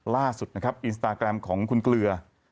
ล่าสุดนะครับอินสตาแกรมของคุณเกลือ